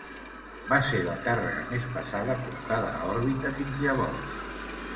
Va ser la càrrega més pesada portada a òrbita fins llavors.